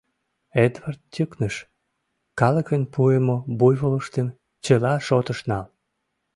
— Эдвард тӱкныш, — калыкын пуымо буйволыштым чыла шотыш нал.